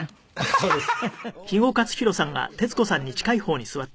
そうですね。